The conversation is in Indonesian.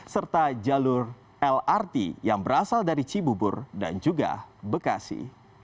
serta jalur lrt yang berasal dari cibubur dan juga bekasi